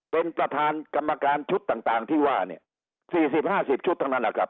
เป็นประธานกรรมการชุดต่างต่างที่ว่าเนี่ยสี่สิบห้าสิบชุดทั้งนั้นนะครับ